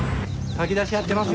炊き出しやってます。